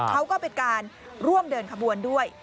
เขาก็เป็นการร่วมเดินขบวนด้วย